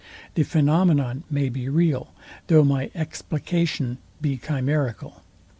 The phænomenon may be real, though my explication be chimerical.